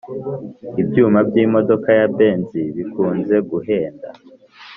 Ibyuma byimodoka yabenzi bikunze guhenda